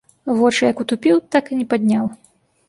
Вочы як утупіў, так і не падняў.